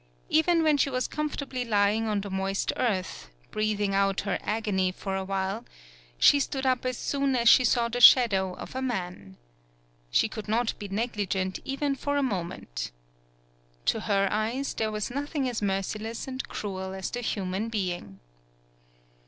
Even when she was comfortably lying on the moist earth, breathing out her agony for a 129 PAULOWNIA while, she stood up as soon as she saw the shadow of a man. She could not be neg ligent even for a moment. To her eyes, there was nothing as merciless and cruel as the human being.